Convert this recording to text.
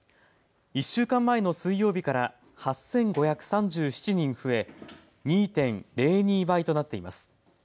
１週間前の水曜日から８５３７人増え、２．０２倍となっています。